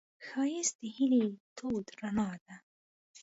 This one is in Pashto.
ښایست د هیلې تود رڼا ده